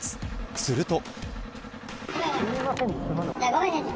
すると。